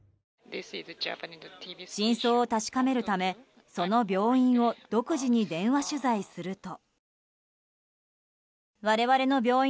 真相を確かめるためその病院を独自に電話取材すると。